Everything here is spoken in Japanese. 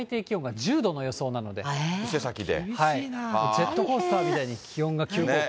ジェットコースターみたいに気温が急降下。